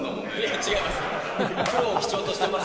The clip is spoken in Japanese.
違います。